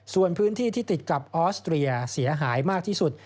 ส่วนพื้นที่ที่ติดกับออสเตรียเสียหายมากที่สุด